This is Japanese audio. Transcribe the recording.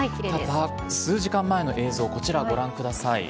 ただ数時間前の映像、こちら、ご覧ください。